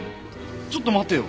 ちょっと待ってよ。